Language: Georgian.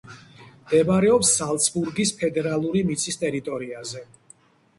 მდებარეობს ზალცბურგის ფედერალური მიწის ტერიტორიაზე.